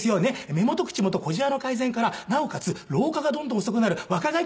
目元口元小じわの改善からなおかつ老化がどんどん遅くなる若返っちゃうんだ